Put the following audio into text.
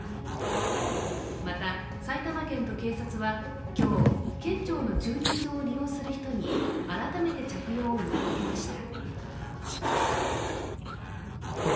また、埼玉県と警察は今日、県庁の駐輪場を利用する人に改めて着用を呼びかけました。